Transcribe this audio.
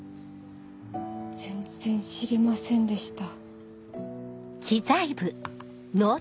全然知りませんでした。